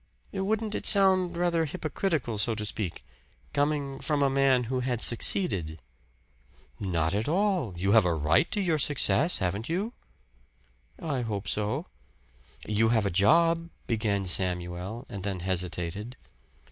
"Wouldn't it sound rather hypocritical, so to speak coming from a man who had succeeded?" "Not at all! You have a right to your success, haven't you?" "I hope so." "You have a job" began Samuel and then hesitated.